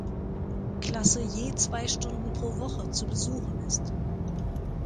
Klasse je zwei Stunden pro Woche zu besuchen ist.